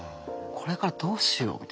これからどうしようみたいな。